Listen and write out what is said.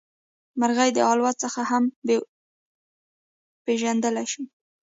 مرغۍ د الوت څخه هم پېژندلی شو.